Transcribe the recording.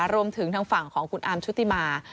รวมถึงทางฝั่งของคุณอาร์มชุติมา